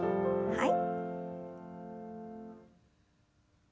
はい。